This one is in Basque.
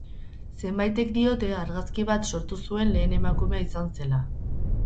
Zenbaitek diote argazki bat sortu zuen lehen emakumea izan zela.